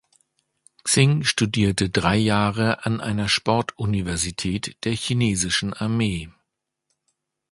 Xing studierte drei Jahre an einer Sportuniversität der chinesischen Armee.